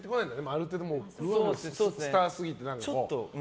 ある程度、スターすぎると。